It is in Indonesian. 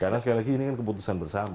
karena sekali lagi ini kan keputusan bersama